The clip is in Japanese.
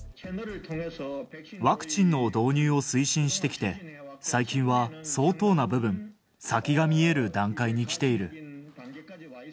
ワクチンの導入を推進してきて、最近は相当な部分、先が見える段階に来ている。